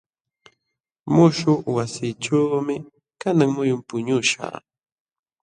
Muśhuq wasiićhuumi kanan muyun puñuśhaq.